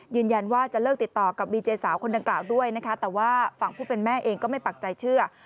จะเลิกติดต่อกับดีเจสาวคนดังกล่าวด้วยนะคะแต่ว่าฝั่งผู้เป็นแม่เองก็ไม่ปักใจเชื่อ